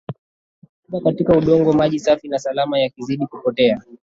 Rutuba katika udongo maji safi na salama yakizidi kupotea